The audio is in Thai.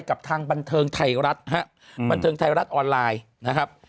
กับทางบันเทิงไทยรัฐฮะบันเทิงไทยรัฐออนไลน์นะครับ